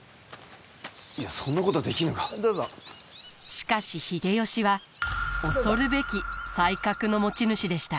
しかし秀吉は恐るべき才覚の持ち主でした。